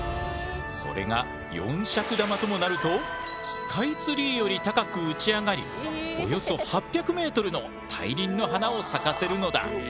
それが四尺玉ともなるとスカイツリーより高く打ち上がりおよそ８００ｍの大輪の花を咲かせるのだ。